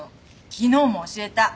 昨日も教えた。